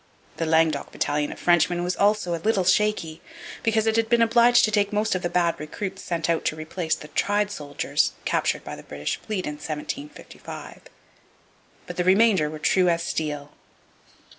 The Languedoc battalion of Frenchmen was also a little shaky, because it had been obliged to take most of the bad recruits sent out to replace the tried soldiers captured by the British fleet in 1755. But the remainder were true as steel.